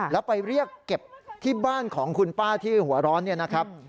แล้วไปเรียกเก็บที่บ้านของคุณป้าที่หัวร้อนเนี่ยนะครับ